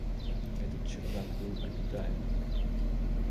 Этот чердак был обитаем.